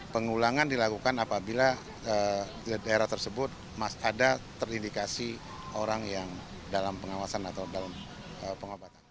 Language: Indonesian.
pengulangan dilakukan apabila daerah tersebut ada terindikasi orang yang dalam pengawasan atau dalam pengobatan